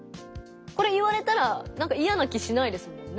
これ言われたらなんかいやな気しないですもんね。